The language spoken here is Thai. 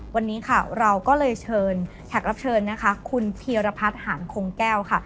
วันนี้ค่ะเราก็เลยเชิญแขกรับเชิญนะคะคุณพีรพัฒน์หานคงแก้วค่ะ